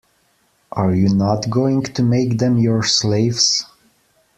Are you not going to make them your slaves?